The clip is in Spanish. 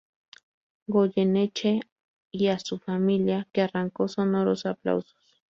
Goyeneche y a su familia, que arrancó sonoros aplausos.